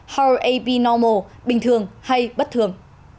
how i be normal bình thường hay bất thường